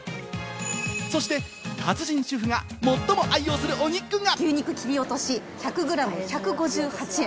そして達人主婦が最も愛用するお肉が。